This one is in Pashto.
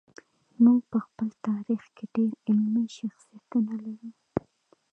موږ په خپل تاریخ کې ډېر علمي شخصیتونه لرو.